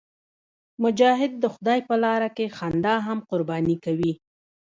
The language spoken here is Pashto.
مجاهد د خدای په لاره کې خندا هم قرباني کوي.